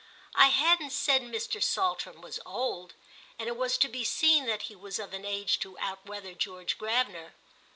I hadn't said Mr. Saltram was old, and it was to be seen that he was of an age to outweather George Gravener.